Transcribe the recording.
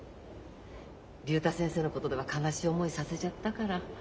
竜太先生のことでは悲しい思いさせちゃったから。